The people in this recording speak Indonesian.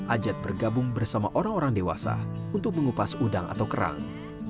ajat bergabung bersama orang orang dewasa untuk mengupas udang atau kerang